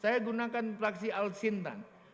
saya gunakan taksi alsintan